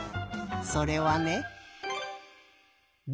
それはね。